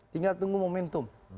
tinggal tunggu momentum